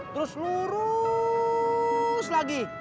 terus lurus lagi